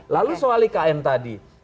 lalu soal ikn tadi